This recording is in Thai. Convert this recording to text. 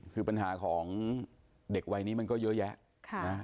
คือปัญหาของเด็กวัยนี้มันก็เยอะแยะ